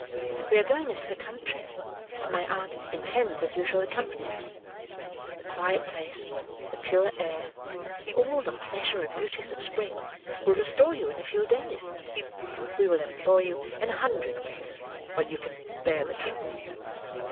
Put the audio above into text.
We are going into the country, and my aunt intends that you shall accompany us. The quiet place, the pure air, and all the pleasure and beauties of spring, will restore you in a few days. We will employ you in a hundred ways, when you can bear the trouble."